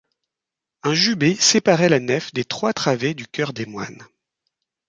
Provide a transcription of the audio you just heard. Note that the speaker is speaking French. Un jubé séparait la nef des trois travées du chœur des moines.